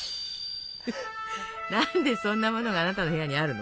何でそんなものがあなたの部屋にあるの？